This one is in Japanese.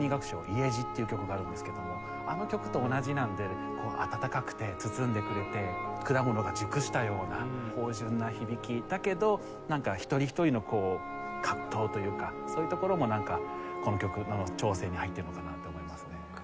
『家路』っていう曲があるんですけどもあの曲と同じなので温かくて包んでくれて果物が熟したような豊潤な響きだけど一人一人の葛藤というかそういうところもなんかこの曲の調性に入ってるのかなと思いますね。